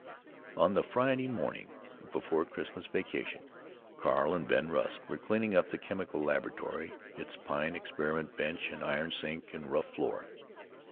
On the Friday morning before Christmas vacation, Carl and Ben Rusk were cleaning up the chemical laboratory, its pine experiment bench and iron sink and rough floor.